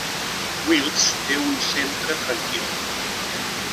Wiltz té un centre tranquil.